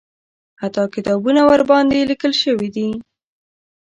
حتی کتابونه ورباندې لیکل شوي دي.